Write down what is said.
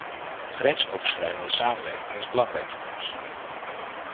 Grensoverschrijdende samenwerking is belangrijk voor ons.